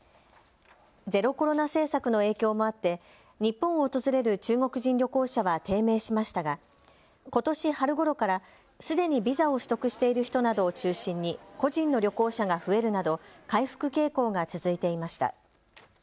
ゼロコロナ政策の影響もあって日本を訪れる中国人旅行者は低迷しましたがことし春ごろからすでにビザを取得している人などを中心に個人の旅行者が増えるなど回復傾向が続いていました。